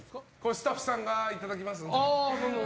スタッフさんがいただきます。